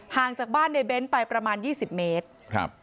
ห่างจากบ้านในเบ้นต์ไปประมาณ๒๐เมตร